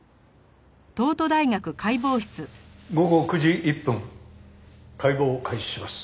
午後９時１分解剖を開始します。